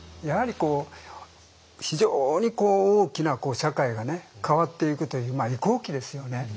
やはりこう非常に大きな社会がね変わっていくという移行期ですよね。